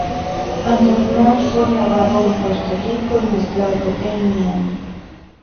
Anormal fue grabado en Puerto Rico y mezclado en Miami.